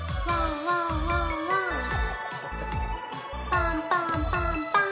パンパンパンパン。